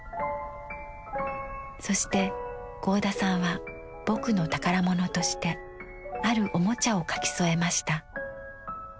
そして合田さんは「ぼく」の宝物としてあるおもちゃを描き添えました。